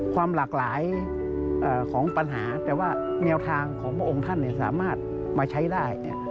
ความหลากหลายของปัญหาแต่ว่าแนวทางของพระองค์ท่านสามารถมาใช้ได้